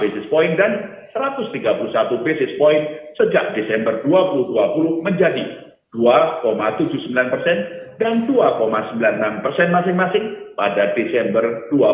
basis point dan satu ratus tiga puluh satu basis point sejak desember dua ribu dua puluh menjadi dua tujuh puluh sembilan persen dan dua sembilan puluh enam persen masing masing pada desember dua ribu dua puluh